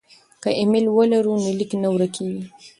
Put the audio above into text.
که ایمیل ولرو نو لیک نه ورکيږي.